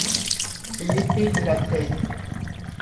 Épée de La Tène.